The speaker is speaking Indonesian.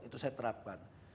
itu saya terapkan